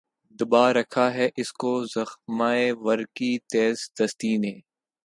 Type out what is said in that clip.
دبا رکھا ہے اس کو زخمہ ور کی تیز دستی نے